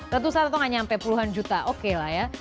ratusan atau nggak nyampe puluhan juta oke lah ya